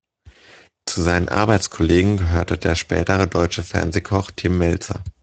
Zu seinen Arbeitskollegen gehörte der spätere deutsche Fernsehkoch Tim Mälzer.